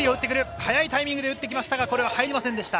早いタイミングで打ってきましたが、これは入りませんでした。